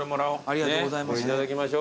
ありがとうございます。